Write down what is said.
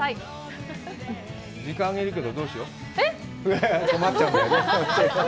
時間あるけど、どうしよう？